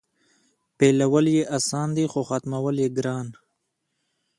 پیلول یې اسان دي خو ختمول یې ګران.